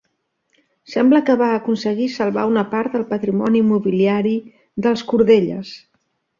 Sembla que aconseguir salvar una part del patrimoni mobiliari dels Cordelles.